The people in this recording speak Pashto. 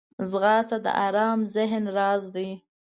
ځغاسته د ارام ذهن راز دی